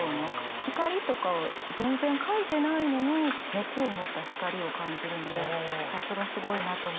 光とか全然書いてないのに熱を持った光を感じるのでさすがすごいなと。